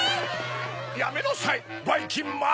やめなさいばいきんまん！